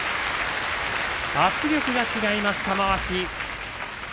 圧力が違います、玉鷲。